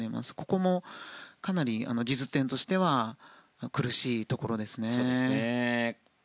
ここもかなり技術点としては苦しいところですね。